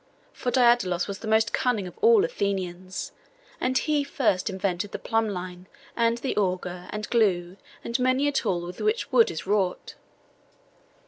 For Daidalos was the most cunning of all Athenians, and he first invented the plumb line, and the auger, and glue, and many a tool with which wood is wrought.